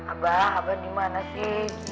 abah abah dimana sih